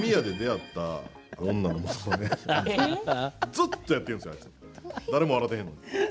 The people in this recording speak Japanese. ずっとやってるんですよ、あいつ誰も笑ってへんのに。